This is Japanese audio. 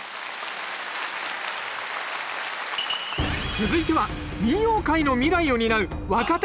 続いては民謡界の未来を担う若手